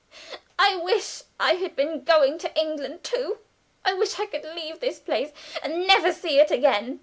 I wish I had been going to England, too! I wish I could leave this place, and never see it again."